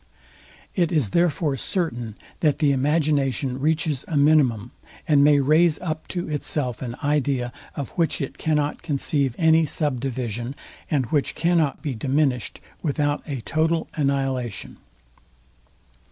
It is therefore certain, that the imagination reaches a minimum, and may raise up to itself an idea, of which it cannot conceive any sub division, and which cannot be diminished without a total annihilation.